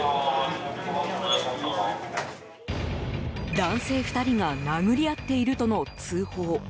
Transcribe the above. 男性２人が殴り合っているとの通報。